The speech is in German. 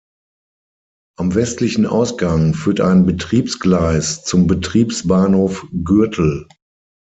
Am westlichen Ausgang führt ein Betriebsgleis zum Betriebsbahnhof Gürtel.